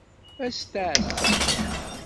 Ad s-t-εasseɣ.